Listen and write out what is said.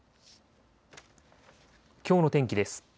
きょうの天気です。